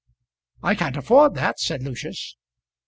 "I can't afford that," said Lucius.